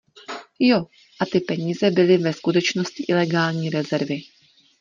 Jo, a ty peníze byly ve skutečnosti ilegální rezervy